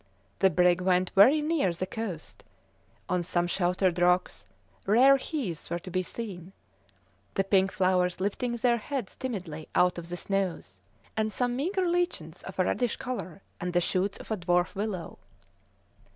The brig went very near the coast; on some sheltered rocks rare heaths were to be seen, the pink flowers lifting their heads timidly out of the snows, and some meagre lichens of a reddish colour and the shoots of a dwarf willow.